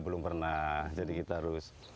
belum pernah jadi kita harus